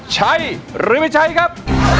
ใช้หรือไม่ใช้ครับ